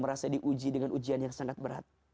merasa diuji dengan ujian yang sangat berat